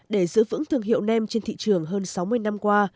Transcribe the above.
để giữ vững thương hiệu nem trên thị trường hơn sáu mươi năm qua